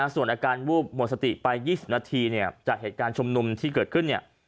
ส่วนอาการวูบหมดสติไป๒๐นาทีจากเหตุการณ์ชุมนุมที่เกิดขึ้นเนี่ย